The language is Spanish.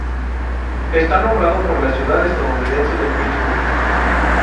Está nombrado por la ciudad estadounidense de Pittsburgh.